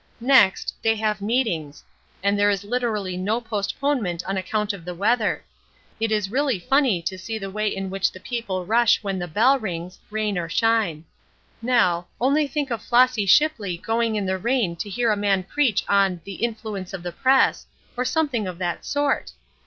Next, they have meetings, and there is literally no postponement on account of the weather. It is really funny to see the way in which the people rush when the bell rings, rain or shine. Nel, only think of Flossy Shipley going in the rain to hear a man preach of the 'Influence of the Press,' or something of that sort!